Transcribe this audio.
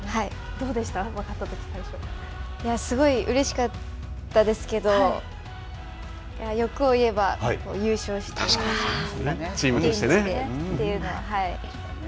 どうでしたか、分かったときはすごいうれしかったですけど、欲を言えば、優勝したかったですね。